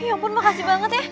ya ampun makasih banget ya